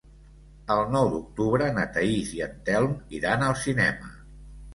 El nou d'octubre na Thaís i en Telm iran al cinema.